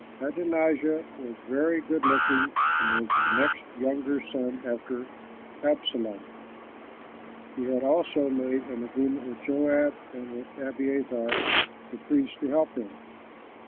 Adonijah was very good looking and was the next younger son after Absalom. He also had made an agreement with Joab and with Abiathar the priest to help him.